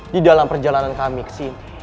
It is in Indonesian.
di dalam perjalanan kami ke sini